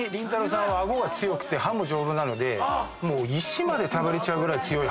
さんは顎が強くて歯も丈夫なので石まで食べれちゃうぐらい強い。